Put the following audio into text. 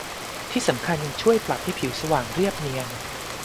ที่สำคัญยังช่วยปรับให้ผิวสว่างเรียบเนียน